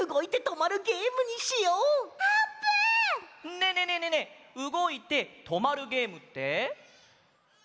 ねえねえねえねえねえうごいてとまるゲームって？